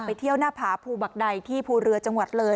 เที่ยวหน้าผาภูบักใดที่ภูเรือจังหวัดเลย